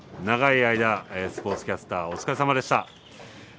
長い間、スポーツキャスター、お疲れさまでした。